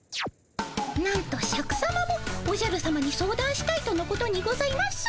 なんとシャクさまもおじゃるさまに相談したいとのことにございます。